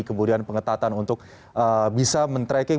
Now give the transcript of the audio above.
kemudian pengetatan untuk bisa men tracking